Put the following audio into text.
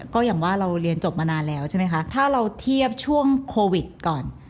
ก็อย่างว่าเราเรียนจบมานานแล้วใช่ไหมคะถ้าเราเทียบช่วงโควิดก่อน